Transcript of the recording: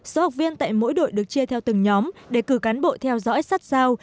số học viên tại mỗi đội được chia theo từng nhóm để cử cán bộ theo dõi sát sao